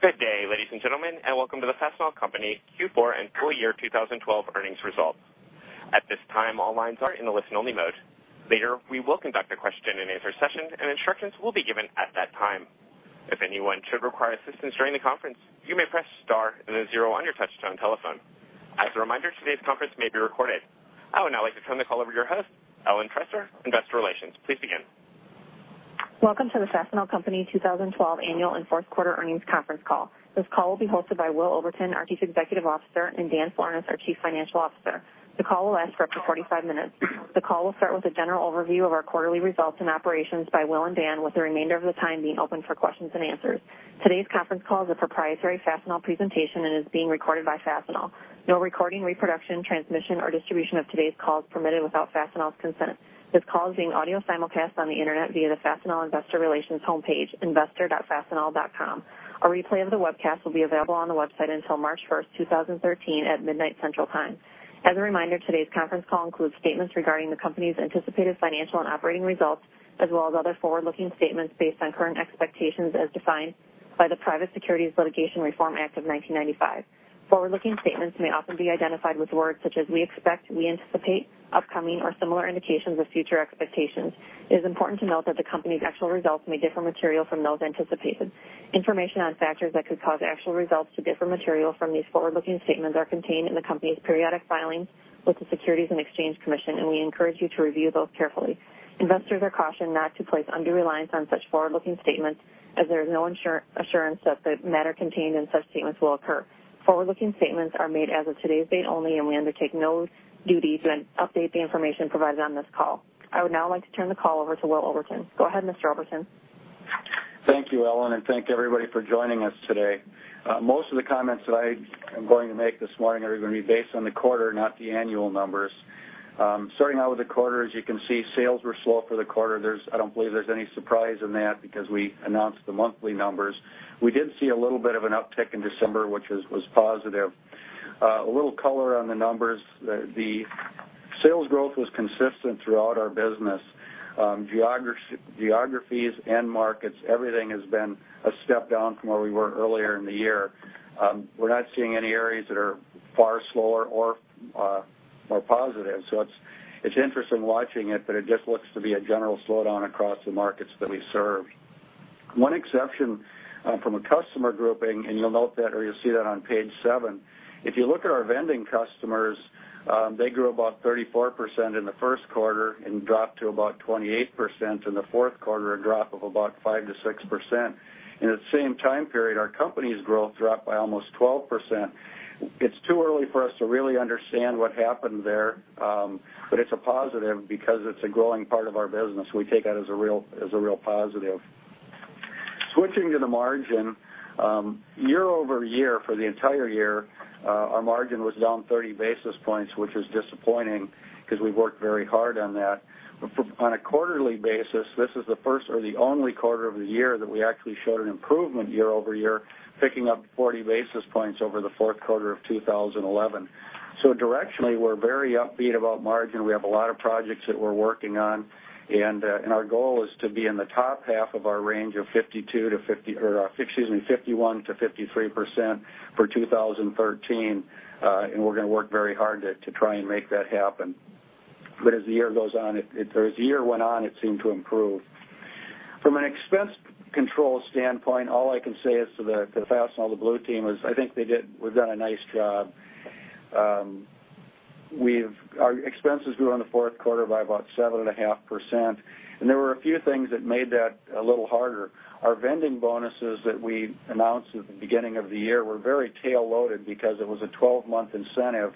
Good day, ladies and gentlemen, and welcome to the Fastenal Company Q4 and full year 2012 earnings results. At this time, all lines are in a listen-only mode. Later, we will conduct a question-and-answer session, and instructions will be given at that time. If anyone should require assistance during the conference, you may press star and then zero on your touch-tone telephone. As a reminder, today's conference may be recorded. I would now like to turn the call over to your host, Ellen Trester, investor relations. Please begin. Welcome to the Fastenal Company 2012 annual and fourth quarter earnings conference call. This call will be hosted by Will Oberton, our Chief Executive Officer, and Dan Florness, our Chief Financial Officer. The call will last for up to 45 minutes. The call will start with a general overview of our quarterly results and operations by Will and Dan, with the remainder of the time being open for questions and answers. Today's conference call is a proprietary Fastenal presentation and is being recorded by Fastenal. No recording, reproduction, transmission, or distribution of today's call is permitted without Fastenal's consent. This call is being audio simulcast on the internet via the Fastenal investor relations homepage, investor.fastenal.com. A replay of the webcast will be available on the website until March 1st, 2013, at midnight, Central Time. As a reminder, today's conference call includes statements regarding the company's anticipated financial and operating results, as well as other forward-looking statements based on current expectations as defined by the Private Securities Litigation Reform Act of 1995. Forward-looking statements may often be identified with words such as "we expect," "we anticipate," "upcoming," or similar indications of future expectations. It is important to note that the company's actual results may differ materially from those anticipated. Information on factors that could cause actual results to differ materially from these forward-looking statements are contained in the company's periodic filings with the Securities and Exchange Commission, and we encourage you to review those carefully. Investors are cautioned not to place undue reliance on such forward-looking statements as there is no assurance that the matter contained in such statements will occur. Forward-looking statements are made as of today's date only. We undertake no duty to update the information provided on this call. I would now like to turn the call over to Will Oberton. Go ahead, Mr. Oberton. Thank you, Ellen, and thank everybody for joining us today. Most of the comments that I am going to make this morning are going to be based on the quarter, not the annual numbers. Starting out with the quarter, as you can see, sales were slow for the quarter. I do not believe there is any surprise in that because we announced the monthly numbers. We did see a little bit of an uptick in December, which was positive. A little color on the numbers. The sales growth was consistent throughout our business. Geographies and markets, everything has been a step down from where we were earlier in the year. We are not seeing any areas that are far slower or more positive. It is interesting watching it, but it just looks to be a general slowdown across the markets that we serve. One exception from a customer grouping, you will note that or you will see that on page seven. If you look at our vending customers, they grew about 34% in the first quarter and dropped to about 28% in the fourth quarter, a drop of about 5%-6%. In that same time period, our company's growth dropped by almost 12%. It is too early for us to really understand what happened there, but it is a positive because it is a growing part of our business. We take that as a real positive. Switching to the margin. Year-over-year for the entire year, our margin was down 30 basis points, which is disappointing because we worked very hard on that. On a quarterly basis, this is the first or the only quarter of the year that we actually showed an improvement year-over-year, picking up 40 basis points over the fourth quarter of 2011. Directionally, we are very upbeat about margin. We have a lot of projects that we are working on, and our goal is to be in the top half of our range of 51%-53% for 2013, and we are going to work very hard to try and make that happen. As the year went on, it seemed to improve. From an expense control standpoint, all I can say is to Fastenal, the blue team, is I think we have done a nice job. Our expenses grew in the fourth quarter by about 7.5%, and there were a few things that made that a little harder. Our vending bonuses that we announced at the beginning of the year were very tail-loaded because it was a 12-month incentive,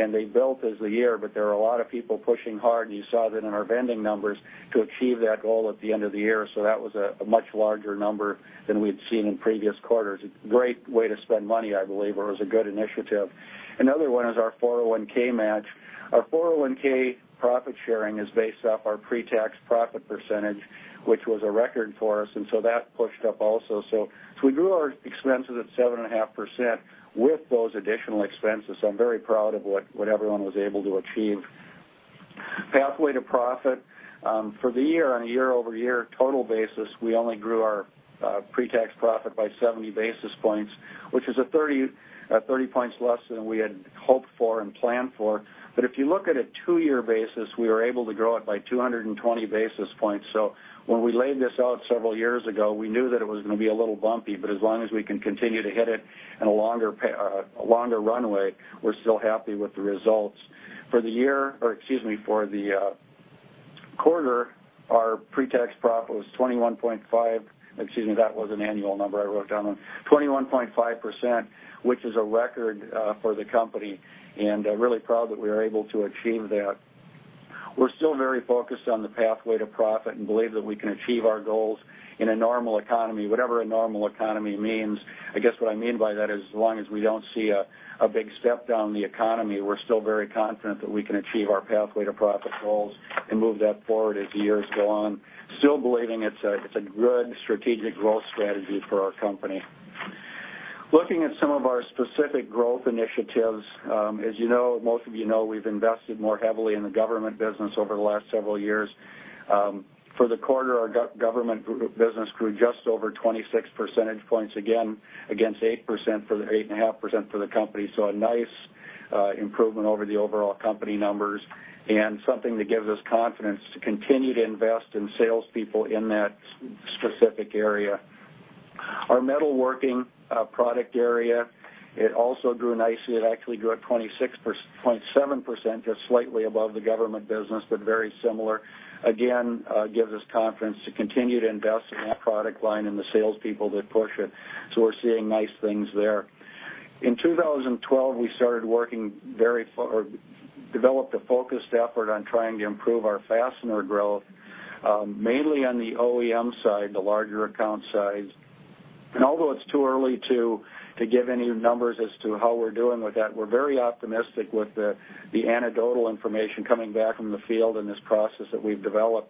and they built as the year, but there were a lot of people pushing hard, and you saw that in our vending numbers, to achieve that goal at the end of the year. That was a much larger number than we had seen in previous quarters. A great way to spend money, I believe, or it was a good initiative. Another one is our 401 match. Our 401 profit sharing is based off our pre-tax profit percentage, which was a record for us, and that pushed up also. We grew our expenses at 7.5% with those additional expenses, I am very proud of what everyone was able to achieve. Pathway to Profit. For the year, on a year-over-year total basis, we only grew our pre-tax profit by 70 basis points, which is 30 points less than we had hoped for and planned for. If you look at a two-year basis, we were able to grow it by 220 basis points. When we laid this out several years ago, we knew that it was going to be a little bumpy, but as long as we can continue to hit it in a longer runway, we're still happy with the results. For the quarter, our pre-tax profit was 21.5. Excuse me, that was an annual number I wrote down. 21.5%, which is a record for the company, and really proud that we were able to achieve that. We're still very focused on the Pathway to Profit and believe that we can achieve our goals in a normal economy, whatever a normal economy means. I guess what I mean by that is as long as we don't see a big step down in the economy, we're still very confident that we can achieve our Pathway to Profit goals and move that forward as the years go on. Still believing it's a good strategic growth strategy for our company. Looking at some of our specific growth initiatives. As most of you know, we've invested more heavily in the government business over the last several years. For the quarter, our government group business grew just over 26 percentage points again, against 8.5% for the company. A nice improvement over the overall company numbers, and something that gives us confidence to continue to invest in sales people in that specific area. Our Metalworking product area, it also grew nicely. It actually grew at 26.7%, just slightly above the government business, but very similar. Again, gives us confidence to continue to invest in that product line and the sales people that push it. We're seeing nice things there. In 2012, we started or developed a focused effort on trying to improve our Fastener growth, mainly on the OEM side, the larger account size. Although it's too early to give any numbers as to how we're doing with that, we're very optimistic with the anecdotal information coming back from the field in this process that we've developed.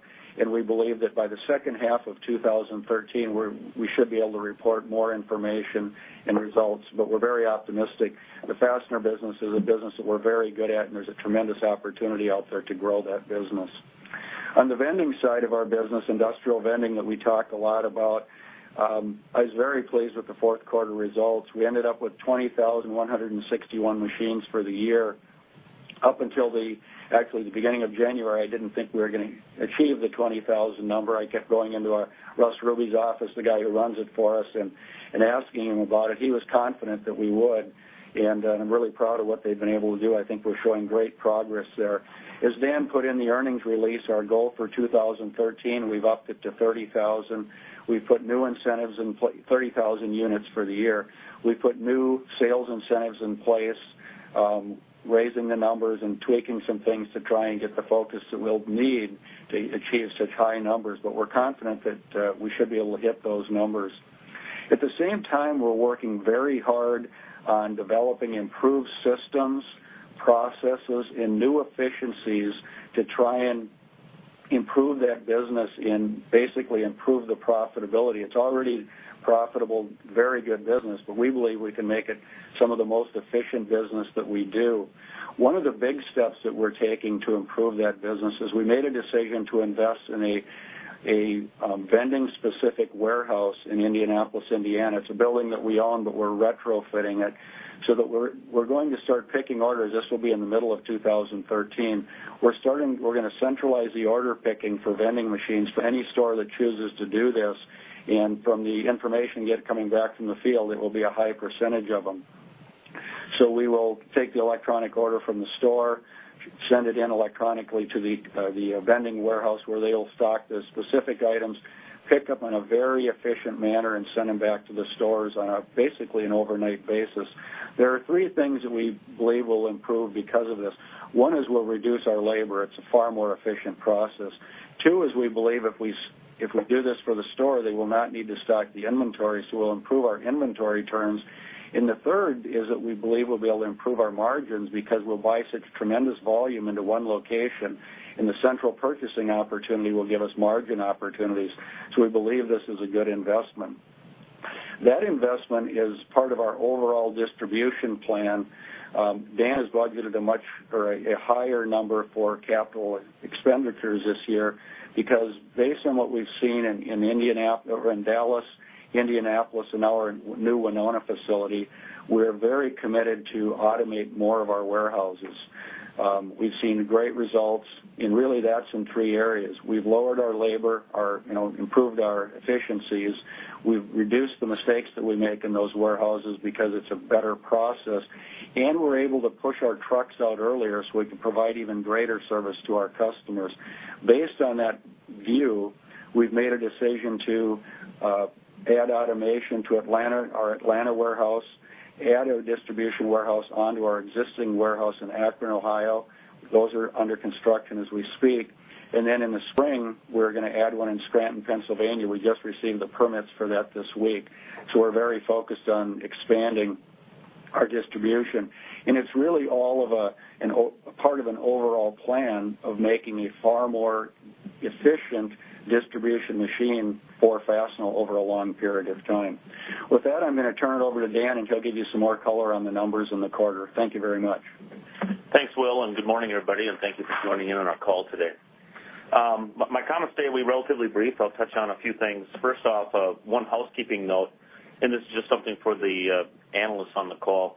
We believe that by the second half of 2013, we should be able to report more information and results, but we're very optimistic. The Fastener business is a business that we're very good at, and there's a tremendous opportunity out there to grow that business. On the vending side of our business, industrial vending that we talked a lot about, I was very pleased with the fourth quarter results. We ended up with 20,161 machines for the year. Up until the, actually, the beginning of January, I didn't think we were going to achieve the 20,000 number. I kept going into Russ Rubie's office, the guy who runs it for us, and asking him about it. He was confident that we would, and I'm really proud of what they've been able to do. I think we're showing great progress there. As Dan put in the earnings release, our goal for 2013, we've upped it to 30,000. We've put new incentives in 30,000 units for the year. We put new sales incentives in place, raising the numbers and tweaking some things to try and get the focus that we'll need to achieve such high numbers. We're confident that we should be able to hit those numbers. At the same time, we're working very hard on developing improved systems, processes, and new efficiencies to try and improve that business and basically improve the profitability. It's already profitable, very good business, but we believe we can make it some of the most efficient business that we do. One of the big steps that we're taking to improve that business is we made a decision to invest in a vending-specific warehouse in Indianapolis, Indiana. It's a building that we own, but we're retrofitting it, so that we're going to start picking orders. This will be in the middle of 2013. We're going to centralize the order picking for industrial vending for any store that chooses to do this. From the information coming back from the field, it will be a high percentage of them. We will take the electronic order from the store, send it in electronically to the vending warehouse where they'll stock the specific items, pick up in a very efficient manner, and send them back to the stores on a, basically, an overnight basis. There are three things that we believe will improve because of this. One is we'll reduce our labor. It's a far more efficient process. Two is we believe if we do this for the store, they will not need to stock the inventory, so we'll improve our inventory turns. The third is that we believe we'll be able to improve our margins because we'll buy such tremendous volume into one location, and the central purchasing opportunity will give us margin opportunities. We believe this is a good investment. That investment is part of our overall distribution plan. Dan has budgeted a much or a higher number for capital expenditures this year because based on what we've seen in Dallas, Indianapolis, and our new Winona facility, we're very committed to automate more of our warehouses. We've seen great results, and really that's in three areas. We've lowered our labor, improved our efficiencies. We've reduced the mistakes that we make in those warehouses because it's a better process, and we're able to push our trucks out earlier so we can provide even greater service to our customers. Based on that view, we've made a decision to add automation to our Atlanta warehouse, add a distribution warehouse onto our existing warehouse in Akron, Ohio. Those are under construction as we speak. Then in the spring, we're going to add one in Scranton, Pennsylvania. We just received the permits for that this week. We're very focused on expanding our distribution. It's really all of a part of an overall plan of making a far more efficient distribution machine for Fastenal over a long period of time. With that, I'm going to turn it over to Dan, and he'll give you some more color on the numbers in the quarter. Thank you very much. Thanks, Will, good morning, everybody, and thank you for joining in on our call today. My comments today will be relatively brief. I'll touch on a few things. First off, one housekeeping note, and this is just something for the analysts on the call.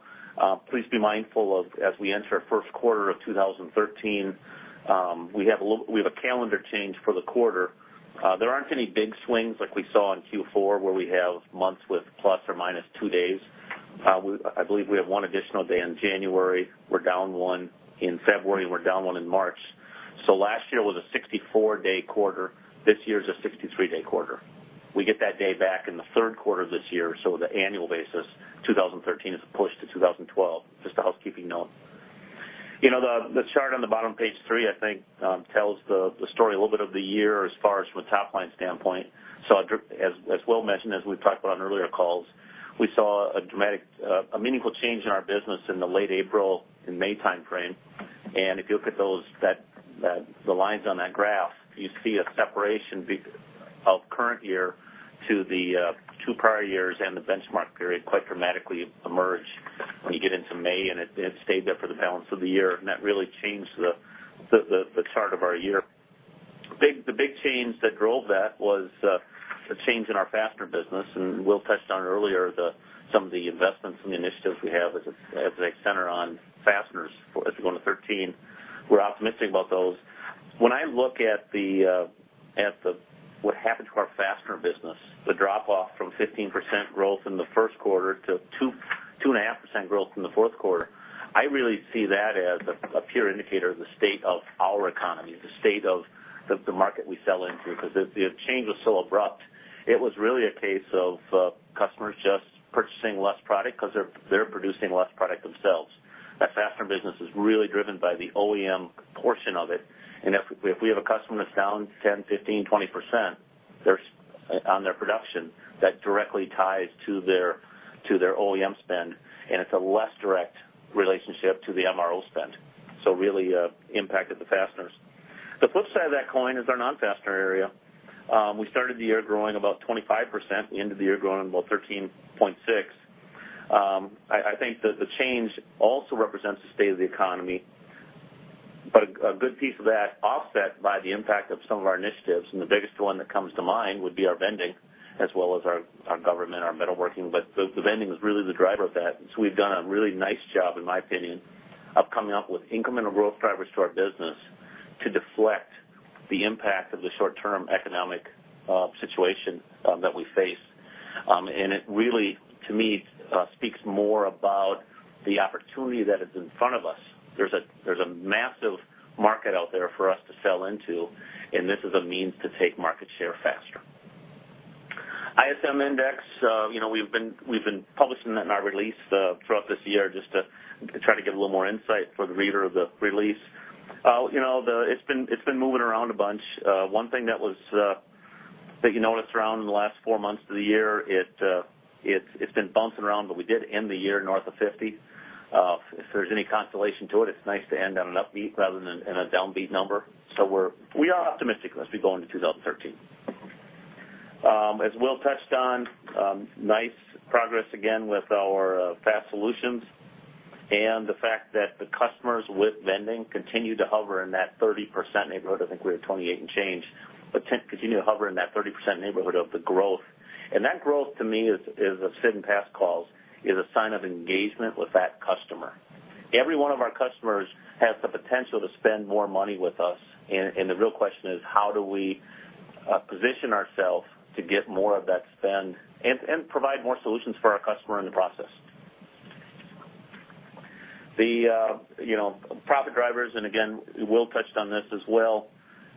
Please be mindful of as we enter first quarter of 2013, we have a calendar change for the quarter. There aren't any big swings like we saw in Q4 where we have months with plus or minus two days. I believe we have one additional day in January. We're down one in February, and we're down one in March. Last year was a 64-day quarter. This year is a 63-day quarter. We get that day back in the third quarter of this year, the annual basis 2013 is pushed to 2012. Just a housekeeping note. The chart on the bottom of page three, I think tells the story a little bit of the year as far as from a top-line standpoint. As Will mentioned, as we've talked about on earlier calls, we saw a dramatic, a meaningful change in our business in the late April and May timeframe. If you look at the lines on that graph, you see a separation current year to the two prior years and the benchmark period quite dramatically emerge when you get into May, and it stayed there for the balance of the year. That really changed the chart of our year. The big change that drove that was the change in our Fastener business, Will touched on it earlier, some of the investments and the initiatives we have as they center on Fasteners as we go into 2013. We're optimistic about those. When I look at what happened to our Fastener business, the drop-off from 15% growth in the first quarter to 2.5% growth in the fourth quarter, I really see that as a pure indicator of the state of our economy, the state of the market we sell into, because the change was so abrupt. It was really a case of customers just purchasing less product because they're producing less product themselves. That Fastener business is really driven by the OEM portion of it. If we have a customer that's down 10%, 15%, 20% on their production, that directly ties to their OEM spend, and it's a less direct relationship to the MRO spend. Really impacted the Fasteners. The flip side of that coin is our non-Fastener area. We started the year growing about 25%, we ended the year growing about 13.6%. The change also represents the state of the economy, but a good piece of that offset by the impact of some of our initiatives, and the biggest one that comes to mind would be our vending as well as our government, our Metalworking. The vending was really the driver of that. We've done a really nice job, in my opinion, of coming up with incremental growth drivers to our business to deflect the impact of the short-term economic situation that we face. It really, to me, speaks more about the opportunity that is in front of us. There's a massive market out there for us to sell into, and this is a means to take market share faster. ISM Index, we've been publishing that in our release throughout this year just to try to give a little more insight for the reader of the release. It's been moving around a bunch. One thing that you noticed around in the last four months of the year, it's been bouncing around, but we did end the year north of 50. If there's any consolation to it's nice to end on an upbeat rather than in a downbeat number. We are optimistic as we go into 2013. As Will touched on, nice progress again with our FAST Solutions and the fact that the customers with vending continue to hover in that 30% neighborhood. I think we're at 28 and change, but continue to hover in that 30% neighborhood of the growth. That growth to me is, as Sid in past calls, is a sign of engagement with that customer. Every one of our customers has the potential to spend more money with us, and the real question is: how do we position ourselves to get more of that spend and provide more solutions for our customer in the process? The profit drivers, and again, Will touched on this as well.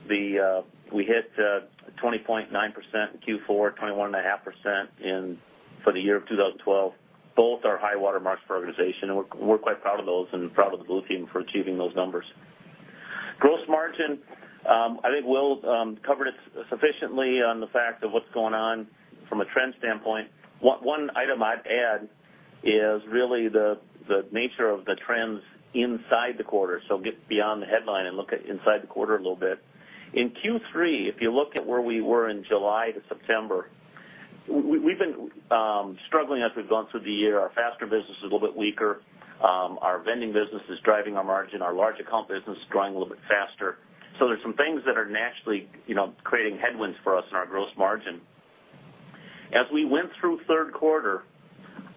We hit 20.9% in Q4, 21.5% for the year of 2012. Both are high water marks for our organization, and we're quite proud of those and proud of the blue team for achieving those numbers. Gross margin. I think Will covered it sufficiently on the fact of what's going on from a trend standpoint. One item I'd add is really the nature of the trends inside the quarter. Get beyond the headline and look at inside the quarter a little bit. In Q3, if you look at where we were in July to September, we've been struggling as we've gone through the year. Our Fastener business is a little bit weaker. Our vending business is driving our margin. Our large account business is growing a little bit faster. There's some things that are naturally creating headwinds for us in our gross margin. As we went through third quarter,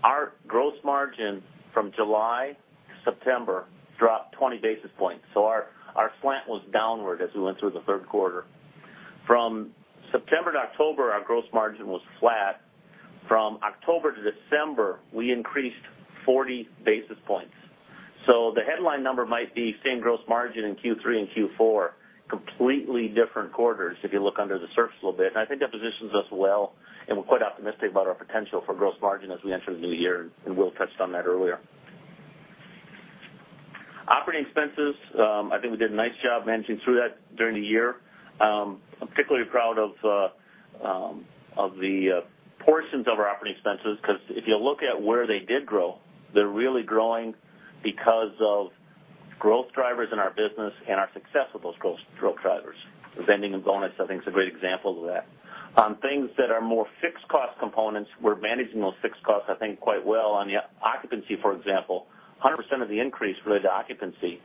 our gross margin from July to September dropped 20 basis points. Our slant was downward as we went through the third quarter. From September to October, our gross margin was flat. From October to December, we increased 40 basis points. The headline number might be same gross margin in Q3 and Q4, completely different quarters if you look under the surface a little bit. I think that positions us well, and we're quite optimistic about our potential for gross margin as we enter the new year, and Will touched on that earlier. Operating expenses. I think we did a nice job managing through that during the year. I'm particularly proud of the portions of our operating expenses, because if you look at where they did grow, they're really growing because of growth drivers in our business and our success with those growth drivers. Vending and bonus, I think, is a great example of that. On things that are more fixed cost components, we're managing those fixed costs, I think, quite well. On the occupancy, for example, 100% of the increase related to occupancy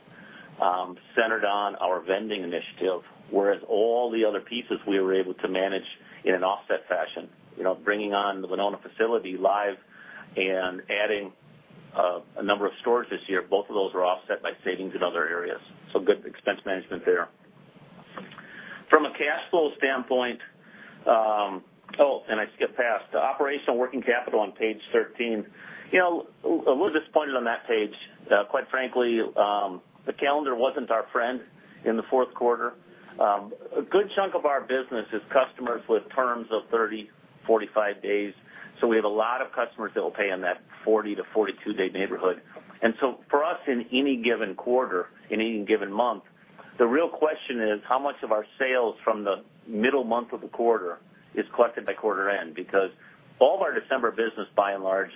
centered on our vending initiative, whereas all the other pieces we were able to manage in an offset fashion. Bringing on the Winona facility live and adding a number of stores this year, both of those were offset by savings in other areas. Good expense management there. From a cash flow standpoint. Operational working capital on Page 13. A little disappointed on that page. Quite frankly, the calendar wasn't our friend in the fourth quarter. A good chunk of our business is customers with terms of 30, 45 days. We have a lot of customers that will pay in that 40- to 42-day neighborhood. For us, in any given quarter, in any given month, the real question is: how much of our sales from the middle month of the quarter is collected by quarter end? All of our December business, by and large,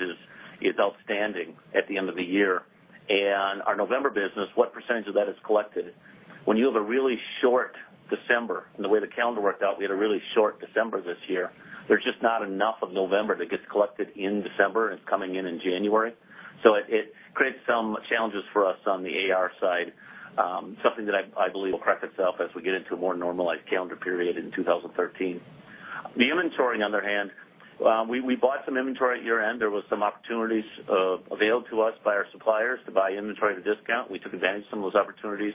is outstanding at the end of the year. Our November business, what % of that is collected? When you have a really short December, and the way the calendar worked out, we had a really short December this year, there's just not enough of November that gets collected in December, and it's coming in January. It creates some challenges for us on the AR side. Something that I believe will correct itself as we get into a more normalized calendar period in 2013. The inventory, on the other hand, we bought some inventory at year-end. There were some opportunities available to us by our suppliers to buy inventory at a discount. We took advantage of some of those opportunities.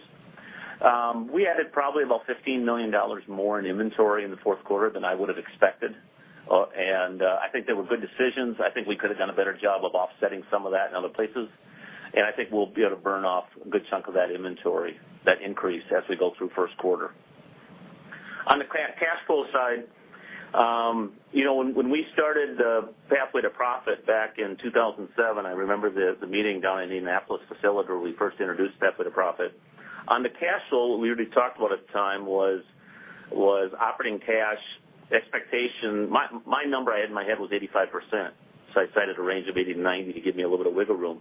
We added probably about $15 million more in inventory in the fourth quarter than I would have expected. I think they were good decisions. I think we could have done a better job of offsetting some of that in other places. I think we'll be able to burn off a good chunk of that inventory, that increase, as we go through the first quarter. On the cash flow side, when we started the Pathway to Profit back in 2007, I remember the meeting down in the Indianapolis facility where we first introduced Pathway to Profit. On the cash flow, what we already talked about at the time was operating cash expectation. My number I had in my head was 85%, so I cited a range of 80%-90% to give me a little bit of wiggle room.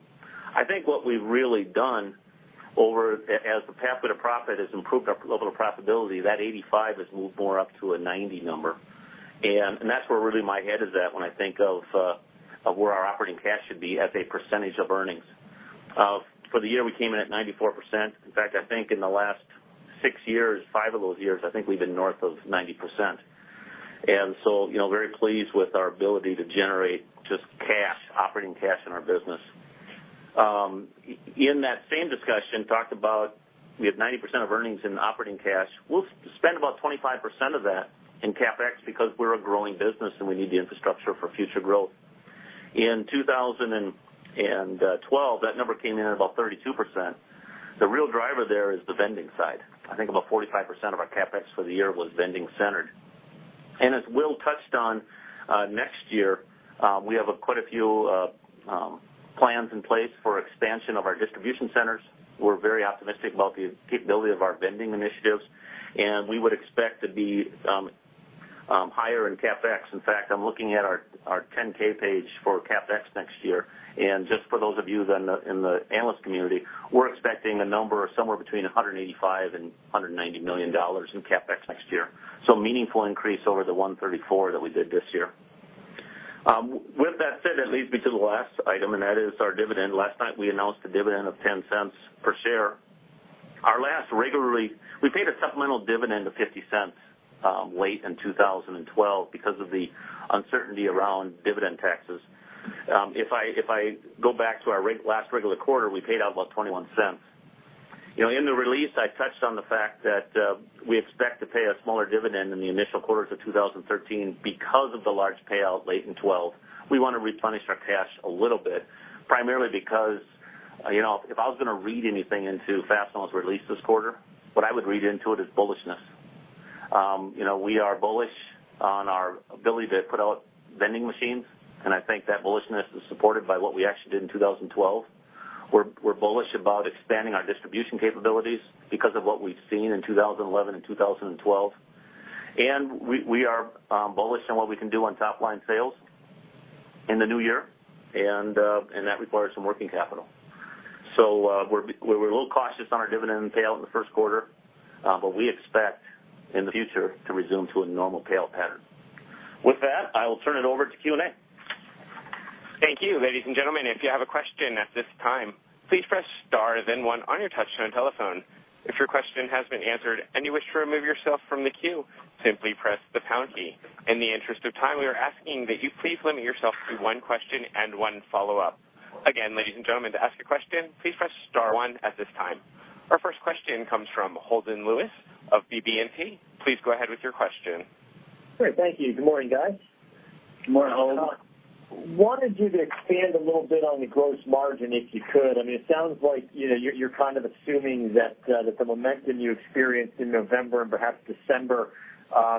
I think what we've really done as the Pathway to Profit has improved our level of profitability, that 85 has moved more up to a 90 number. That's where really my head is at when I think of where our operating cash should be as a percentage of earnings. For the year, we came in at 94%. In fact, I think in the last six years, five of those years, I think we've been north of 90%. Very pleased with our ability to generate just cash, operating cash in our business. In that same discussion, talked about we have 90% of earnings in operating cash. We'll spend about 25% of that in CapEx because we're a growing business and we need the infrastructure for future growth. In 2012, that number came in at about 32%. The real driver there is the vending side. I think about 45% of our CapEx for the year was vending-centered. As Will touched on, next year, we have quite a few plans in place for expansion of our distribution centers. We're very optimistic about the capability of our vending initiatives, and we would expect to be higher in CapEx. In fact, I'm looking at our 10K page for CapEx next year. Just for those of you in the analyst community, we're expecting a number somewhere between $185 million and $190 million in CapEx next year. A meaningful increase over the $134 million that we did this year. With that said, that leads me to the last item, and that is our dividend. Last night, we announced a dividend of $0.10 per share. We paid a supplemental dividend of $0.50 late in 2012 because of the uncertainty around dividend taxes. If I go back to our last regular quarter, we paid out about $0.21. In the release, I touched on the fact that we expect to pay a smaller dividend in the initial quarters of 2013 because of the large payout late in 2012. We want to replenish our cash a little bit, primarily because if I was going to read anything into Fastenal's release this quarter, what I would read into it is bullishness. We are bullish on our ability to put out vending machines, and I think that bullishness is supported by what we actually did in 2012. We're bullish about expanding our distribution capabilities because of what we've seen in 2011 and 2012. We are bullish on what we can do on top-line sales in the new year, and that requires some working capital. We're a little cautious on our dividend payout in the first quarter, but we expect in the future to resume to a normal payout pattern. With that, I will turn it over to Q&A. Thank you. Ladies and gentlemen, if you have a question at this time, please press star then one on your touchtone telephone. If your question has been answered and you wish to remove yourself from the queue, simply press the pound key. In the interest of time, we are asking that you please limit yourself to one question and one follow-up. Again, ladies and gentlemen, to ask a question, please press star one at this time. Our first question comes from Holden Lewis of BB&T. Please go ahead with your question. Great. Thank you. Good morning, guys. Good morning, Holden. Wanted you to expand a little bit on the gross margin, if you could. It sounds like you're kind of assuming that the momentum you experienced in November and perhaps December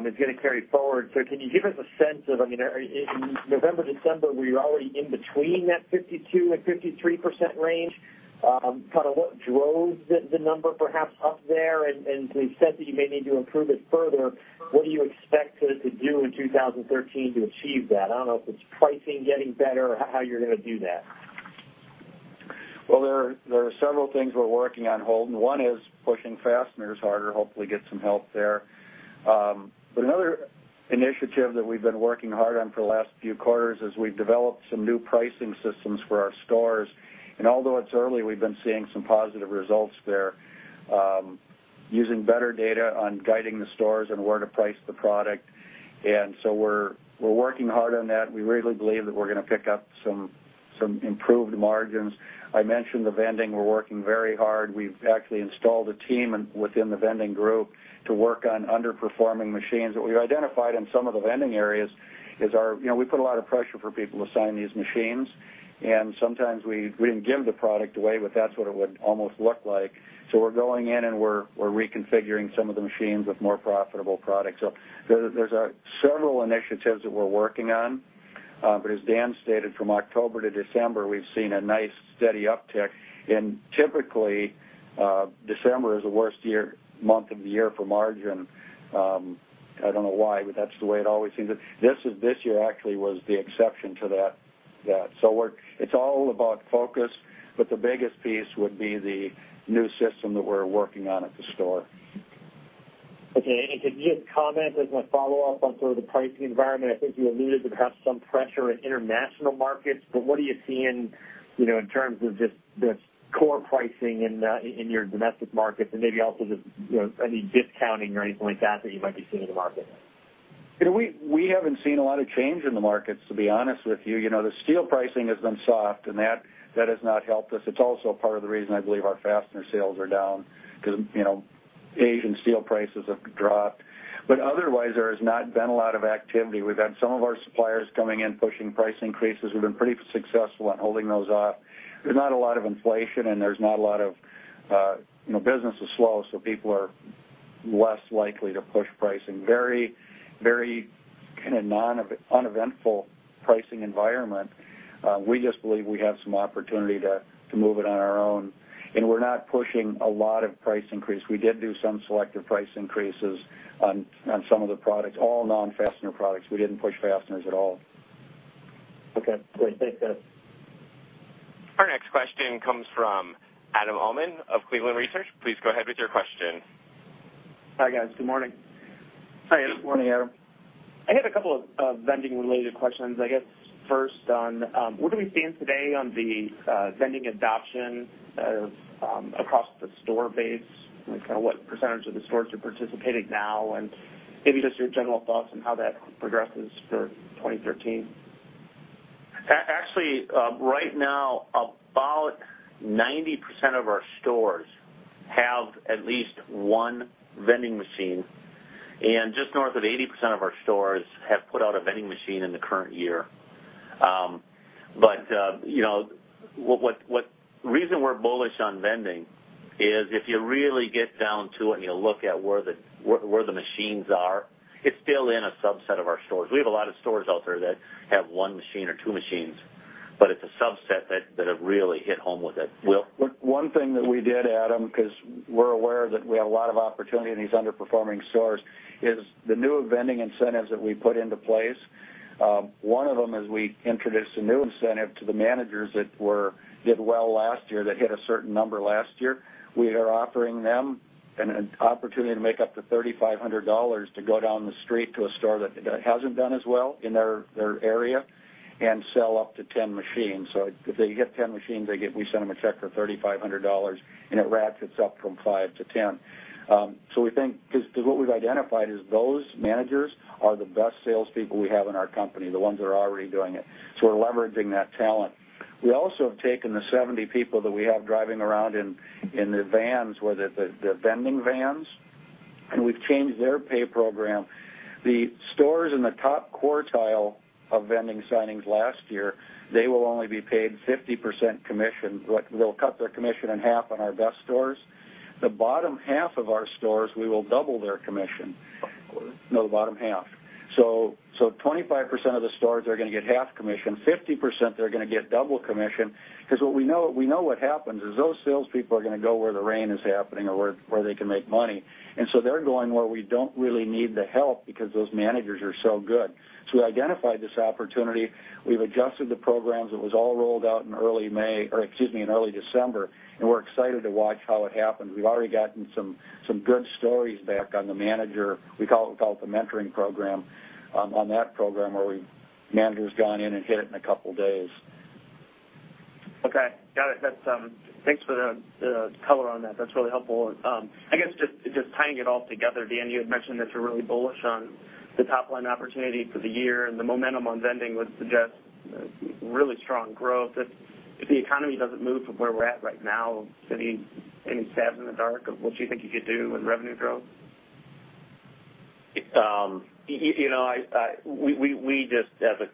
is going to carry forward. Can you give us a sense of, in November, December, were you already in between that 52% and 53% range? Kind of what drove the number perhaps up there? You said that you may need to improve it further. What do you expect to do in 2013 to achieve that? I don't know if it's pricing getting better or how you're going to do that. There are several things we're working on, Holden. One is pushing Fasteners harder, hopefully get some help there. Another initiative that we've been working hard on for the last few quarters is we've developed some new pricing systems for our stores. Although it's early, we've been seeing some positive results there. Using better data on guiding the stores on where to price the product. We're working hard on that. We really believe that we're going to pick up some improved margins. I mentioned the vending. We're working very hard. We've actually installed a team within the vending group to work on underperforming machines. What we identified in some of the vending areas is we put a lot of pressure for people to sign these machines, and sometimes we didn't give the product away, but that's what it would almost look like. We're going in and we're reconfiguring some of the machines with more profitable products. There's several initiatives that we're working on. As Dan stated, from October to December, we've seen a nice steady uptick. Typically, December is the worst month of the year for margin. I don't know why, but that's the way it always seems. This year actually was the exception to that. It's all about focus, but the biggest piece would be the new system that we're working on at the store. Could you just comment as my follow-up on sort of the pricing environment? I think you alluded to perhaps some pressure in international markets, but what are you seeing in terms of just the core pricing in your domestic markets and maybe also just any discounting or anything like that you might be seeing in the market? We haven't seen a lot of change in the markets, to be honest with you. The steel pricing has been soft, and that has not helped us. It's also part of the reason I believe our fastener sales are down, because Asian steel prices have dropped. Otherwise, there has not been a lot of activity. We've had some of our suppliers coming in, pushing price increases. We've been pretty successful at holding those off. There's not a lot of inflation, and business is slow, so people are less likely to push pricing. Very kind of uneventful pricing environment. We just believe we have some opportunity to move it on our own, and we're not pushing a lot of price increase. We did do some selective price increases on some of the products, all non-fastener products. We didn't push fasteners at all. Okay, great. Thanks, guys. Our next question comes from Adam Uhlman of Cleveland Research. Please go ahead with your question. Hi, guys. Good morning. Hi. Good morning, Adam. I had a couple of vending-related questions. I guess first, what are we seeing today on the vending adoption across the store base and kind of what percentage of the stores are participating now and maybe just your general thoughts on how that progresses for 2013? Actually, right now, about 90% of our stores have at least one vending machine, and just north of 80% of our stores have put out a vending machine in the current year. The reason we're bullish on vending is if you really get down to it and you look at where the machines are, it's still in a subset of our stores. We have a lot of stores out there that have one machine or two machines, but it's a subset that have really hit home with it. Will? One thing that we did, Adam, because we're aware that we have a lot of opportunity in these underperforming stores, is the new vending incentives that we put into place. One of them is we introduced a new incentive to the managers that did well last year, that hit a certain number last year. We are offering them an opportunity to make up to $3,500 to go down the street to a store that hasn't done as well in their area and sell up to 10 machines. If they get 10 machines, we send them a check for $3,500, and it ratchets up from 5 to 10. What we've identified is those managers are the best salespeople we have in our company, the ones that are already doing it. We're leveraging that talent. We also have taken the 70 people that we have driving around in the vans, the vending vans, and we've changed their pay program. The stores in the top quartile of vending signings last year, they will only be paid 50% commission. They'll cut their commission in half on our best stores. The bottom half of our stores, we will double their commission. Okay. The bottom half. 25% of the stores are going to get half commission, 50% they're going to get double commission because we know what happens is those salespeople are going to go where the rain is happening or where they can make money. They're going where we don't really need the help because those managers are so good. We identified this opportunity. We've adjusted the programs. It was all rolled out in early December, and we're excited to watch how it happens. We've already gotten some good stories back on the manager, we call it the mentoring program, on that program where manager's gone in and hit it in a couple days. Got it. Thanks for the color on that. That's really helpful. I guess just tying it all together, Dan, you had mentioned that you're really bullish on the top-line opportunity for the year. The momentum on vending would suggest really strong growth. If the economy doesn't move from where we're at right now, any stabs in the dark of what you think you could do in revenue growth? We just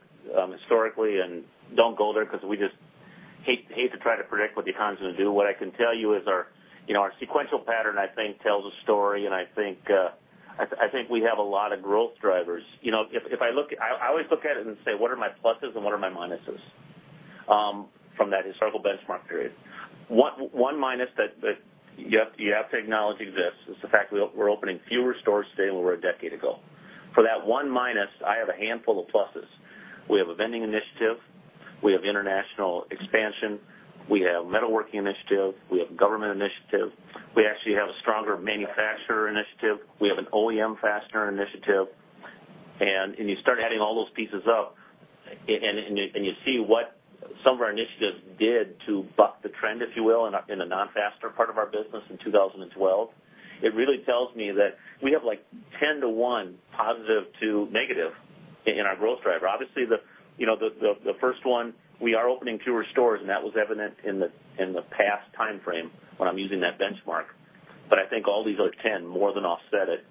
historically don't go there because we just hate to try to predict what the economy's going to do. What I can tell you is our sequential pattern, I think, tells a story. I think we have a lot of growth drivers. I always look at it and say, "What are my pluses and what are my minuses from that historical benchmark period?" One minus that you have to acknowledge exists is the fact we're opening fewer stores today than we were a decade ago. For that one minus, I have a handful of pluses. We have a vending initiative. We have international expansion. We have Metalworking initiative. We have government initiative. We actually have a stronger manufacturer initiative. We have an OEM Fastener initiative. You start adding all those pieces up, and you see what some of our initiatives did to buck the trend, if you will, in the non-Fastener part of our business in 2012. It really tells me that we have 10 to 1 positive to negative in our growth driver. Obviously, the first one, we are opening fewer stores, and that was evident in the past timeframe when I'm using that benchmark. I think all these other 10 more than offset it.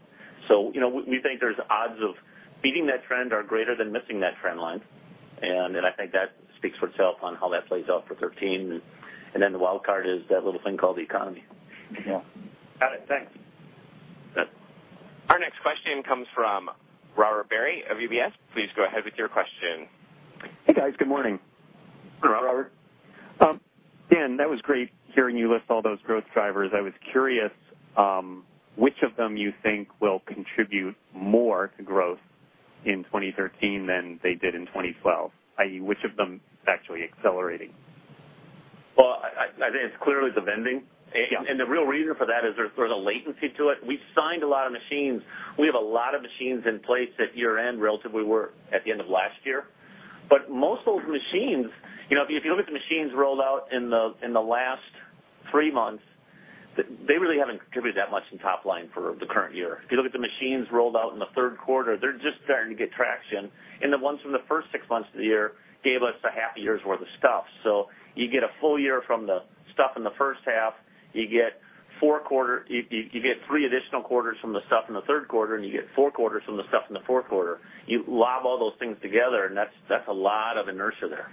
We think there's odds of beating that trend are greater than missing that trend line, and I think that speaks for itself on how that plays out for 2013. Then the wild card is that little thing called the economy. Yeah. Got it. Thanks. Our next question comes from Robert Barry of UBS. Please go ahead with your question. Hey, guys. Good morning. Good morning, Robert. Dan, that was great hearing you list all those growth drivers. I was curious which of them you think will contribute more to growth in 2013 than they did in 2012, i.e., which of them is actually accelerating? Well, I think it's clearly the vending. Yeah. The real reason for that is there's sort of a latency to it. We signed a lot of machines. We have a lot of machines in place at year-end, relatively, we were at the end of last year. Most of those machines, if you look at the machines rolled out in the last three months, they really haven't contributed that much in top line for the current year. If you look at the machines rolled out in the third quarter, they're just starting to get traction. The ones from the first six months of the year gave us a half a year's worth of stuff. You get a full year from the stuff in the first half, you get three additional quarters from the stuff in the third quarter, and you get four quarters from the stuff in the fourth quarter. You lob all those things together, that is a lot of inertia there.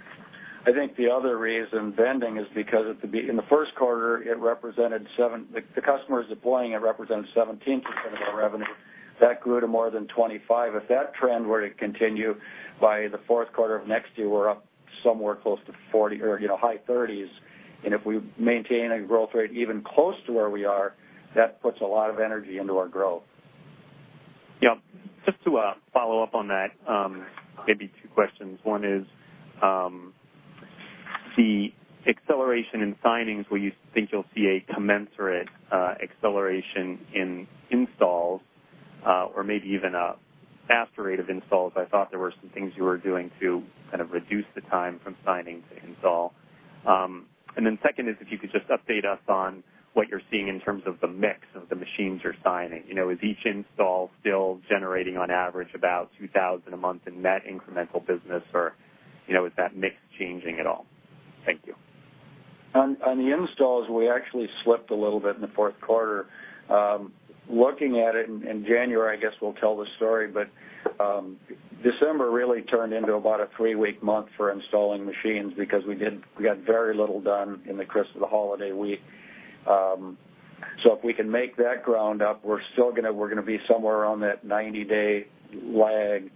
I think the other reason vending is because in the first quarter, the customers deploying it represented 17% of our revenue. That grew to more than 25%. If that trend were to continue, by the fourth quarter of next year, we are up somewhere close to 40% or high 30s. If we maintain a growth rate even close to where we are, that puts a lot of energy into our growth. Yeah. Just to follow up on that, maybe two questions. One is. The acceleration in signings, do you think you will see a commensurate acceleration in installs or maybe even a faster rate of installs? I thought there were some things you were doing to kind of reduce the time from signing to install. Second is if you could just update us on what you are seeing in terms of the mix of the machines you are signing. Is each install still generating, on average, about $2,000 a month in net incremental business, or is that mix changing at all? Thank you. On the installs, we actually slipped a little bit in the fourth quarter. Looking at it in January, I guess, will tell the story, but December really turned into about a three-week month for installing machines because we got very little done in the crisp of the holiday week. If we can make that ground up, we are going to be somewhere around that 90-day lag.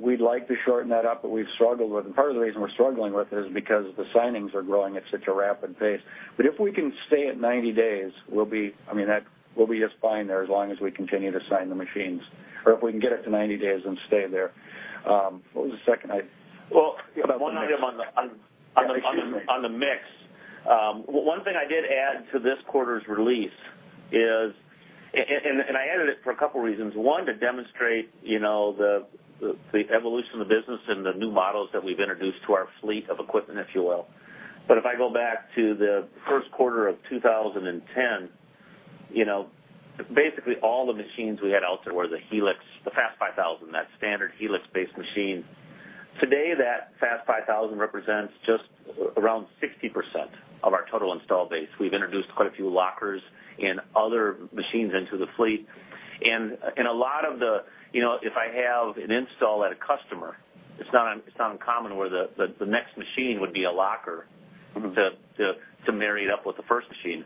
We would like to shorten that up, we have struggled with it. Part of the reason we are struggling with it is because the signings are growing at such a rapid pace. If we can stay at 90 days, we will be just fine there as long as we continue to sign the machines, or if we can get it to 90 days and stay there. What was the second item? Well, one item on the- Excuse me on the mix. One thing I did add to this quarter's release is, and I added it for a couple of reasons. One, to demonstrate the evolution of the business and the new models that we've introduced to our fleet of equipment, if you will. If I go back to the first quarter of 2010, basically all the machines we had out there were the Helix, the FAST 5000, that standard Helix-based machine. Today, that FAST 5000 represents just around 60% of our total install base. We've introduced quite a few lockers and other machines into the fleet. If I have an install at a customer, it's not uncommon where the next machine would be a locker to marry it up with the first machine.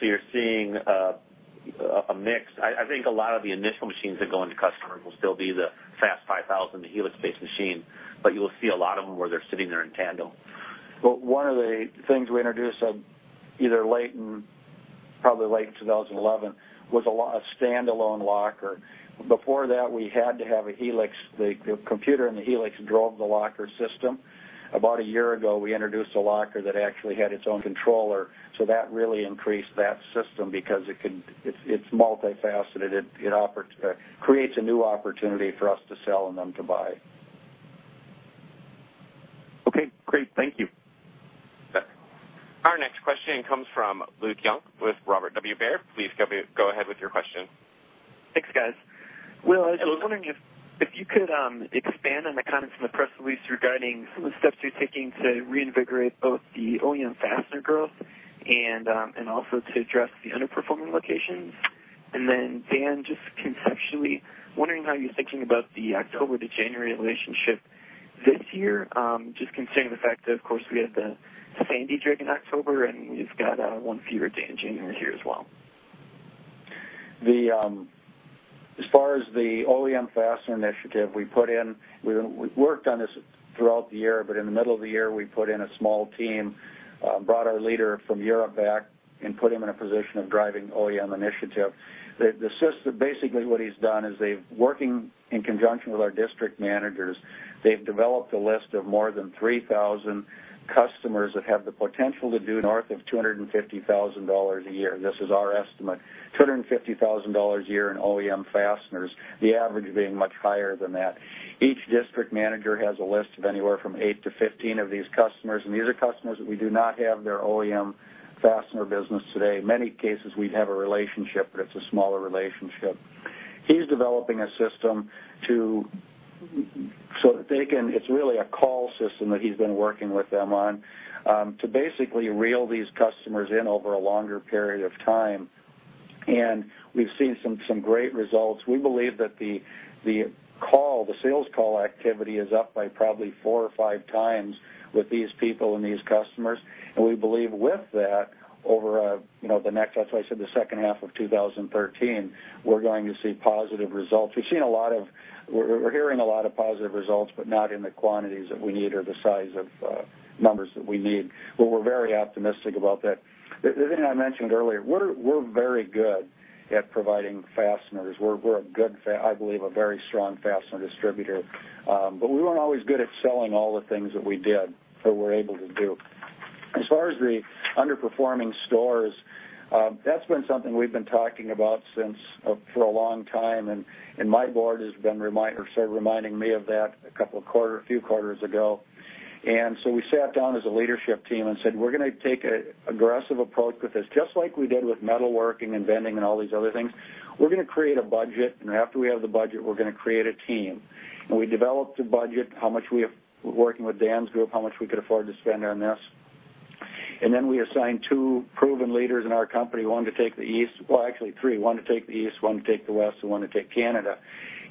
You're seeing a mix. I think a lot of the initial machines that go into customers will still be the FAST 5000, the Helix-based machine, but you will see a lot of them where they're sitting there in tandem. One of the things we introduced either late in probably late 2011 was a standalone locker. Before that, we had to have a Helix. The computer and the Helix drove the locker system. About a year ago, we introduced a locker that actually had its own controller, that really increased that system because it's multifaceted. It creates a new opportunity for us to sell and them to buy. Okay, great. Thank you. Our next question comes from Luke Young with Robert W. Baird. Please go ahead with your question. Thanks, guys. Will, I was wondering if you could expand on the comments in the press release regarding some of the steps you're taking to reinvigorate both the OEM Fasteners growth and also to address the underperforming locations. Dan, just conceptually, wondering how you're thinking about the October to January relationship this year, just considering the fact that, of course, we had the Sandy in October, and we've got one foot into January here as well. As far as the OEM Fastener Initiative, we worked on this throughout the year, but in the middle of the year, we put in a small team, brought our leader from Europe back, and put him in a position of driving OEM Initiative. Basically, what he's done is they're working in conjunction with our district managers. They've developed a list of more than 3,000 customers that have the potential to do north of $250,000 a year. This is our estimate, $250,000 a year in OEM Fasteners, the average being much higher than that. Each district manager has a list of anywhere from eight to 15 of these customers, and these are customers that we do not have their OEM Fastener business today. In many cases, we have a relationship, but it's a smaller relationship. He's developing a system, it's really a call system that he's been working with them on, to basically reel these customers in over a longer period of time. We've seen some great results. We believe that the sales call activity is up by probably four or five times with these people and these customers. We believe with that over, as I said, the second half of 2013, we're going to see positive results. We're hearing a lot of positive results, but not in the quantities that we need or the size of numbers that we need, but we're very optimistic about that. The thing I mentioned earlier, we're very good at providing Fasteners. We're, I believe, a very strong Fastener distributor. We weren't always good at selling all the things that we did, or were able to do. As far as the underperforming stores, that's been something we've been talking about since for a long time, my board has been reminding me of that a few quarters ago. We sat down as a leadership team and said, "We're going to take an aggressive approach with this, just like we did with Metalworking and Vending and all these other things. We're going to create a budget, and after we have the budget, we're going to create a team." We developed a budget, working with Dan's group, how much we could afford to spend on this. We assigned two proven leaders in our company, Well, actually three, one to take the East, one to take the West, and one to take Canada.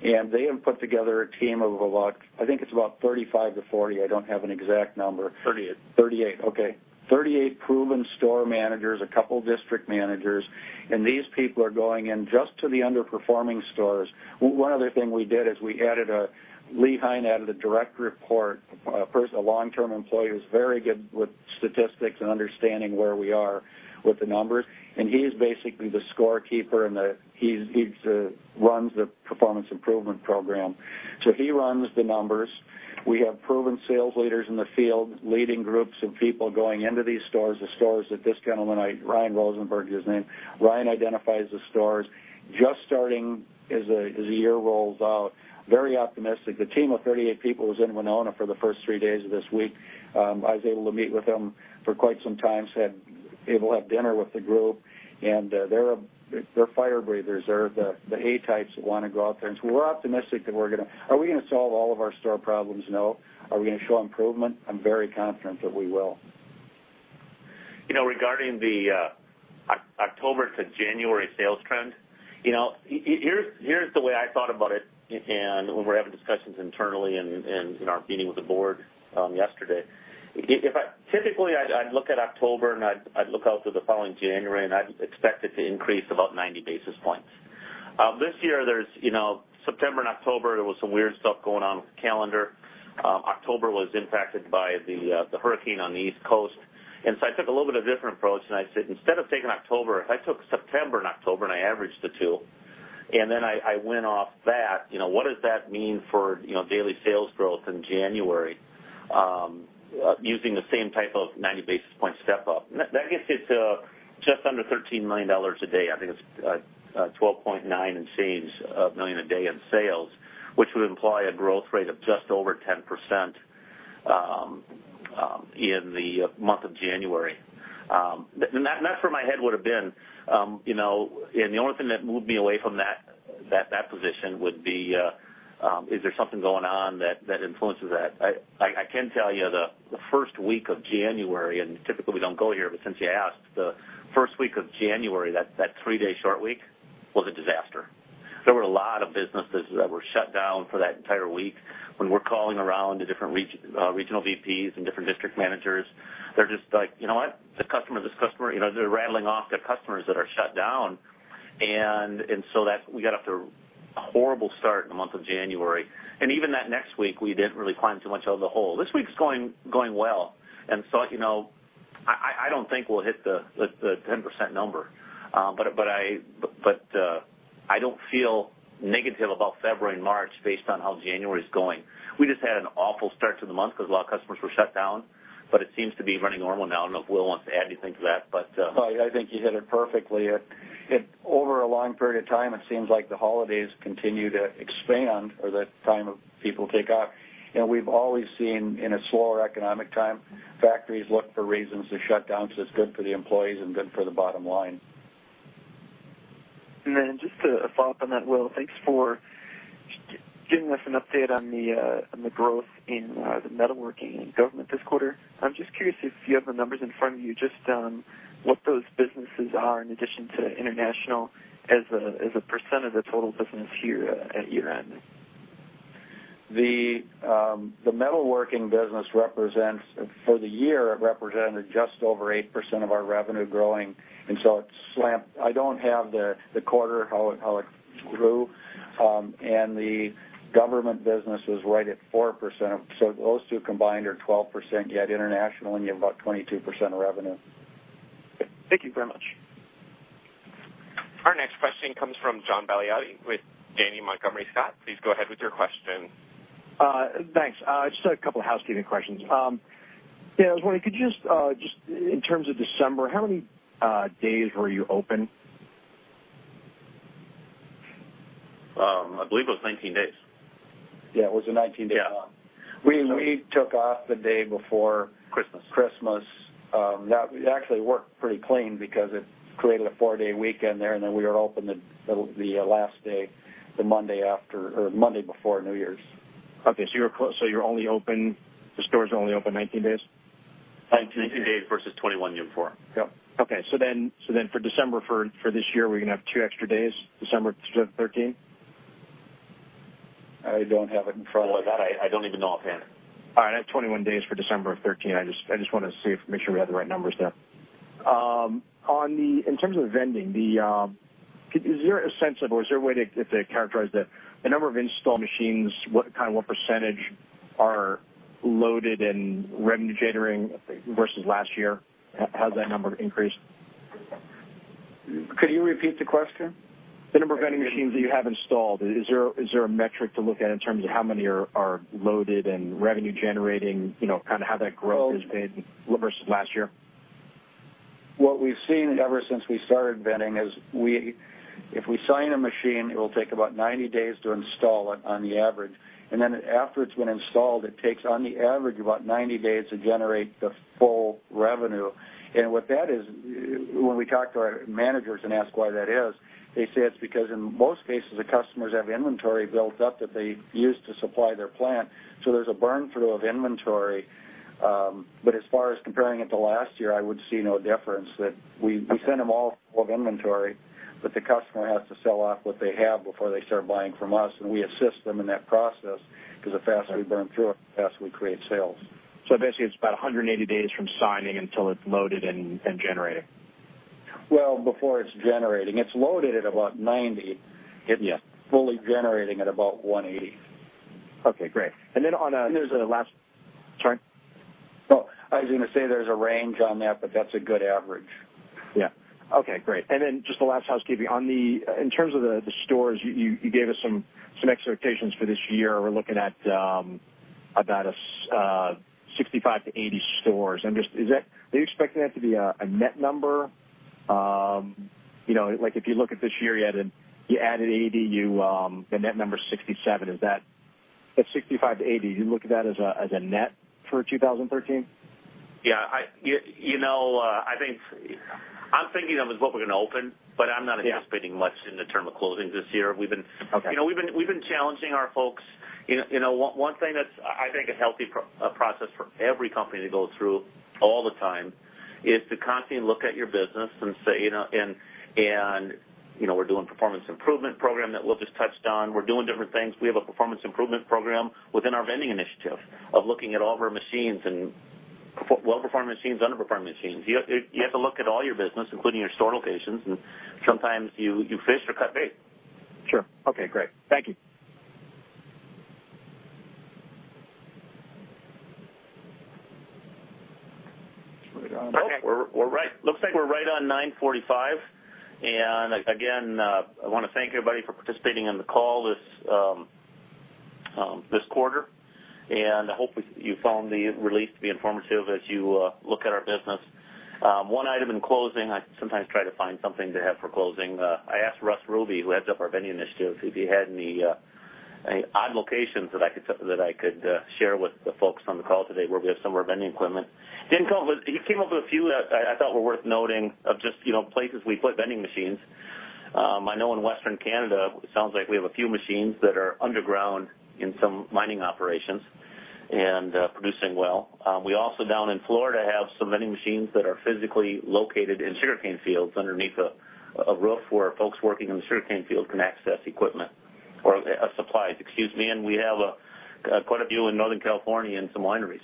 They have put together a team of about, I think it's about 35 to 40. I don't have an exact number. 38. 38. Okay. 38 proven store managers, a couple district managers. These people are going in just to the underperforming stores. One other thing we did is Leland J. Hein Jr. added a direct report, a long-term employee who's very good with statistics and understanding where we are with the numbers, and he is basically the scorekeeper, and he runs the performance improvement program. He runs the numbers. We have proven sales leaders in the field, leading groups of people going into these stores. The stores that this gentleman, Ryan Rosenberg is his name, Ryan identifies the stores just starting as the year rolls out. Very optimistic. The team of 38 people was in Winona for the first three days of this week. I was able to meet with them for quite some time, able to have dinner with the group, and they're fire breathers. They're the A types that want to go out there. We're optimistic. Are we going to solve all of our store problems? No. Are we going to show improvement? I'm very confident that we will. Regarding the October to January sales trend, here's the way I thought about it and when we're having discussions internally and in our meeting with the board yesterday. Typically, I'd look at October, and I'd look out to the following January, and I'd expect it to increase about 90 basis points. This year, September and October, there was some weird stuff going on with the calendar. October was impacted by Hurricane Sandy on the East Coast. I took a little bit of a different approach and I said, instead of taking October, if I took September and October and I averaged the two, and then I went off that, what does that mean for daily sales growth in January using the same type of 90 basis point step-up? That gets it to just under $13 million a day. I think it's $12.9 and change million a day in sales, which would imply a growth rate of just over 10% in the month of January. That's where my head would've been. The only thing that moved me away from that position would be, is there something going on that influences that? I can tell you the first week of January, and typically we don't go here, but since you asked, the first week of January, that three-day short week was a disaster. There were a lot of businesses that were shut down for that entire week. When we're calling around to different regional VPs and different district managers, they're just like, "You know what? This customer," they're rattling off their customers that are shut down. We got off to a horrible start in the month of January. Even that next week, we didn't really climb too much out of the hole. This week's going well, I don't think we'll hit the 10% number. I don't feel negative about February and March based on how January's going. We just had an awful start to the month because a lot of customers were shut down, but it seems to be running normal now. I don't know if Will wants to add anything to that. No, I think you hit it perfectly. Over a long period of time, it seems like the holidays continue to expand, or the time of people take off. We've always seen in a slower economic time, factories look for reasons to shut down, so it's good for the employees and good for the bottom line. Just a follow-up on that, Will. Thanks for giving us an update on the growth in the metalworking and government this quarter. I'm just curious if you have the numbers in front of you, just on what those businesses are in addition to international as a % of the total business here at year-end. The metalworking business, for the year, it represented just over 8% of our revenue growing, it's slant. I don't have the quarter, how it grew. The government business was right at 4%. Those two combined are 12%. You add international, you have about 22% of revenue. Thank you very much. Our next question comes from John Baliada with Janney Montgomery Scott. Please go ahead with your question. Thanks. Just a couple of housekeeping questions. Dan, I was wondering, could you just, in terms of December, how many days were you open? I believe it was 19 days. Yeah, it was a 19-day month. Yeah. We took off the day before- Christmas Christmas. That actually worked pretty clean because it created a four-day weekend there, and then we were open the last day, the Monday before New Year's. Okay, the stores are only open 19 days? 19 days versus 21 in Q4. Yep. Okay. For December for this year, we're going to have two extra days, December 13? I don't have it in front of me. Boy, that I don't even know offhand. All right. I have 21 days for December 13. I just wanted to make sure we had the right numbers there. In terms of vending, is there a sense of, or is there a way to characterize the number of installed machines? What percentage are loaded and revenue-generating versus last year? Has that number increased? Could you repeat the question? The number of industrial vending that you have installed, is there a metric to look at in terms of how many are loaded and revenue-generating, kind of how that growth has been versus last year? What we've seen ever since we started vending is, if we sign a machine, it will take about 90 days to install it on the average. After it's been installed, it takes on the average about 90 days to generate the full revenue. What that is, when we talk to our managers and ask why that is, they say it's because in most cases, the customers have inventory built up that they use to supply their plant. There's a burn-through of inventory. As far as comparing it to last year, I would see no difference. That we send them all full of inventory, but the customer has to sell off what they have before they start buying from us, and we assist them in that process because the faster we burn through it, the faster we create sales. Basically, it's about 180 days from signing until it's loaded and generating. Well, before it's generating. It's loaded at about 90. Yes. Fully generating at about 180. Okay, great. on a- There's a last Sorry? I was going to say there's a range on that, but that's a good average. Yeah. Okay, great. Just the last housekeeping. In terms of the stores, you gave us some expectations for this year. We're looking at about 65 to 80 stores. Are you expecting that to be a net number? Like if you look at this year, you added 80, the net number's 67. That 65 to 80, do you look at that as a net for 2013? Yeah. I'm thinking of is what we're going to open, but I'm not anticipating much in the terms of closings this year. Okay. We've been challenging our folks. One thing that's, I think, a healthy process for every company to go through all the time is to constantly look at your business and say, we're doing performance improvement program that Lou just touched on. We're doing different things. We have a performance improvement program within our vending initiative of looking at all of our machines and well-performing machines, underperforming machines. You have to look at all your business, including your store locations, and sometimes you fish or cut bait. Sure. Okay, great. Thank you. Looks like we're right on 9:45. Again, I want to thank everybody for participating in the call this quarter, and I hope you found the release to be informative as you look at our business. One item in closing, I sometimes try to find something to have for closing. I asked Russ Rubie, who heads up our vending initiative, if he had any odd locations that I could share with the folks on the call today where we have some of our vending equipment. He came up with a few that I thought were worth noting of just places we put industrial vending. I know in western Canada, it sounds like we have a few machines that are underground in some mining operations and producing well. We also, down in Florida, have some industrial vending that are physically located in sugarcane fields underneath a roof where folks working in the sugarcane field can access equipment or supplies, excuse me. We have quite a few in Northern California in some wineries.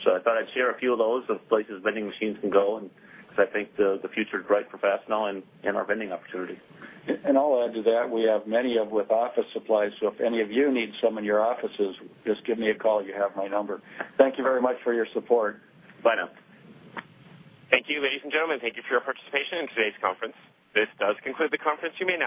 I thought I'd share a few of those of places industrial vending can go, and because I think the future is bright for Fastenal and our vending opportunity. I'll add to that, we have many with office supplies. If any of you need some in your offices, just give me a call. You have my number. Thank you very much for your support. Bye now. Thank you, ladies and gentlemen. Thank you for your participation in today's conference. This does conclude the conference. You may disconnect.